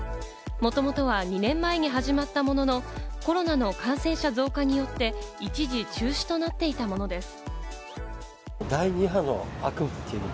もともとは２年前に始まったものの、コロナの感染者増加によって一時中止となっていたものです。